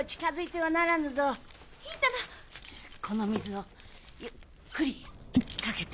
この水をゆっくりかけておやり。